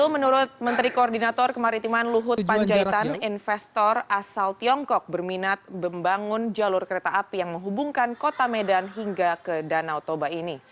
menurut menteri koordinator kemaritiman luhut panjaitan investor asal tiongkok berminat membangun jalur kereta api yang menghubungkan kota medan hingga ke danau toba ini